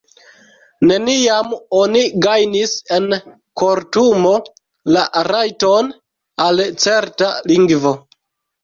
Neniam oni gajnis en kortumo la rajton al certa lingvo